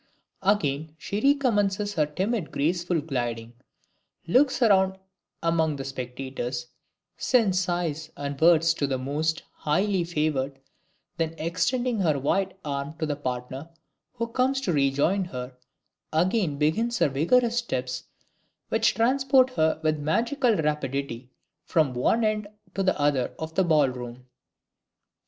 Again she recommences her timid graceful gliding, looks round among the spectators, sends sighs and words to the most, highly favored, then extending her white arms to the partner who comes to rejoin her, again begins her vigorous steps which transport her with magical rapidity from one end to the other of the ball room.